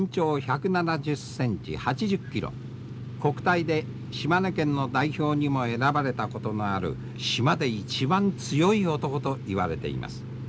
国体で島根県の代表にも選ばれたことのある島で一番強い男といわれています。